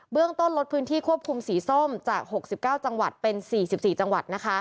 เรื่องต้นลดพื้นที่ควบคุมสีส้มจาก๖๙จังหวัดเป็น๔๔จังหวัด